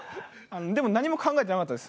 でも何も考えてなかったです。